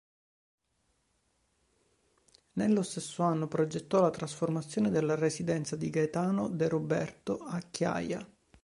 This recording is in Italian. Nello stesso anno progettò la trasformazione della residenza di Gaetano De Roberto a Chiaia.